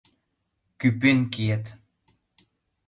— Кӱпен киет!